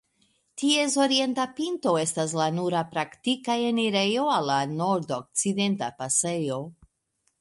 Ties orienta pinto estas la nura praktika enirejo al la Nordokcidenta pasejo.